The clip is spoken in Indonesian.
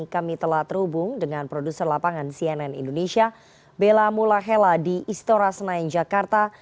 kami telah terhubung dengan produser lapangan cnn indonesia bella mulahela di istora senayan jakarta